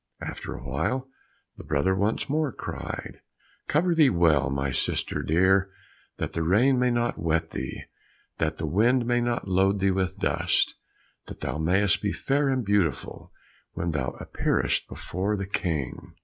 After a while, the brother once more cried, "Cover thee well, my sister dear, That the rain may not wet thee, That the wind may not load thee with dust, That thou may'st be fair and beautiful When thou appearest before the King."